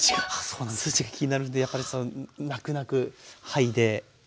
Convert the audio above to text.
数値が気になるんでやっぱねなくなく剥いでですね。